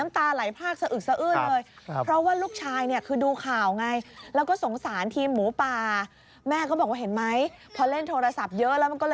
ไม่อยากไปเชียงรายแต่เจอถ้ำ